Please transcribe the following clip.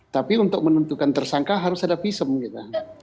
tapi untuk menentukan tersangka harus ada visum gitu